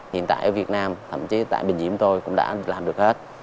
hiện tại ở việt nam thậm chí tại bệnh viện tôi cũng đã làm được hết